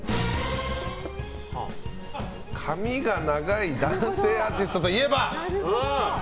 髪が長い男性アーティストといえば？